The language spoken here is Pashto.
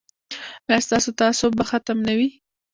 ایا ستاسو تعصب به ختم نه وي؟